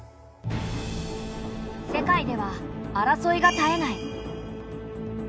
世界では争いが絶えない。